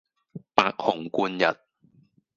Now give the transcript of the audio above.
白虹貫日